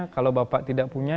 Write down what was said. kalau bapak tidak punya